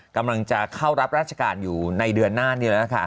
กำลังจะเข้ารับราชการอยู่ในเดือนหน้า